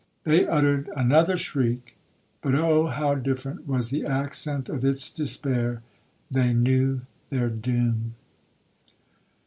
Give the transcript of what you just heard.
They uttered another shriek, but O how different was the accent of its despair!—they knew their doom.